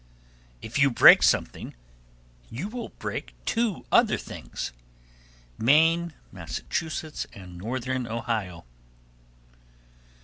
_ 1278. If you break something, you will break two other things. _Maine, Massachusetts, and Northern Ohio.